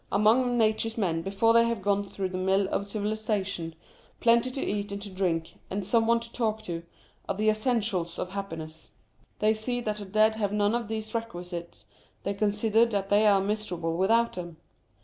Among nature's men, before they have gone through the mill of civilisation, plenty to eat and to drink, and some one to talk to, are the essentials of happiness. They see that the dead have none of these requisites, they consider that they are miserable without them.